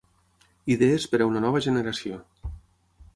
Idees per a una nova generació.